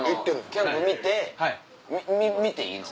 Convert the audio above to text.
キャンプ見て見ていいの？